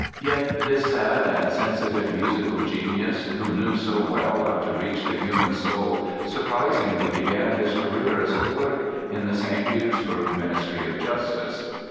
Yet, this sad and sensitive musical genius who knew so well how to reach the human soul surprisingly began his career as a clerk in the St. Petersburg Ministry of Justice.